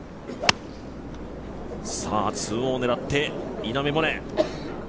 ２オンを狙って、稲見萌寧。